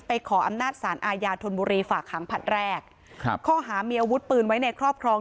ขออำนาจสารอาญาธนบุรีฝากขังผลัดแรกครับข้อหามีอาวุธปืนไว้ในครอบครอง